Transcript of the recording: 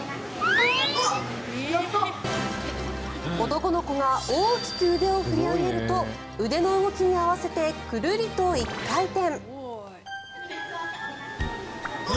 男の子が大きく腕を振り上げると腕の動きに合わせてくるりと１回転。